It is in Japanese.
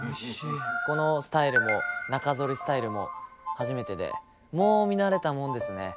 このスタイルも中剃りスタイルも初めてでもう見慣れたもんですね。